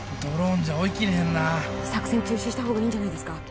ドローンじゃ追いきれへんな作戦中止したほうがいいんじゃないですか？